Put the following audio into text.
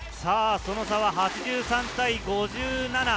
その差は８３対５７。